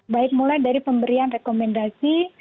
baik mulai dari pemberian rekomendasi